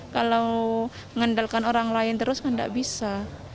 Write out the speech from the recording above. kalau mengandalkan orang lain terus kan tidak bisa